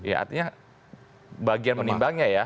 artinya bagian penimbangannya ya